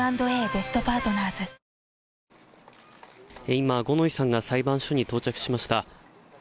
今、五ノ井さんが裁判所に到着しました。